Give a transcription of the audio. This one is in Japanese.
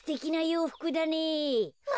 うわ！